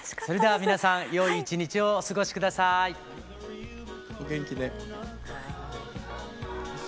それでは皆さんよい一日をお過ごし下さい。